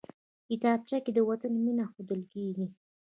کتابچه کې د وطن مینه ښودل کېږي